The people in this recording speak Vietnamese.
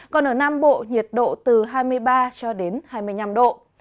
còn ở nam bộ nhiệt độ từ hai mươi ba cho đến hai mươi năm độ